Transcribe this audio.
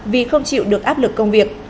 vì không chịu được áp lực công việc